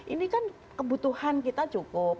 ini kan kebutuhan kita cukup